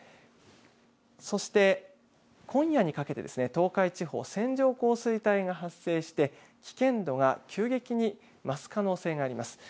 そして今夜にかけて東海地方線状降水帯が発生して危険度が急激に増す可能性があります。